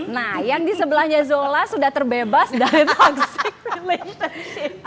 nah yang di sebelahnya zola sudah terbebas dari toxic wimpton